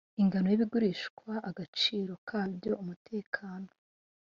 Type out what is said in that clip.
ingano y ibigurishwa agaciro kabyo umutekano